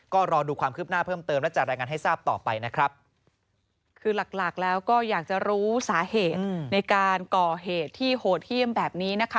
ก็รอดูความคืบหน้าเพิ่มเติมและจัดรายงานให้ทราบต่อไปนะครับ